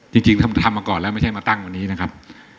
จริงทำมาก่อนแล้วไม่ใช่มาตั้งวันนี้นะครับ